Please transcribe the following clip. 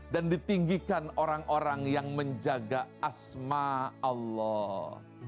dan ditinggikan orang orang yang menjaga asma'ullah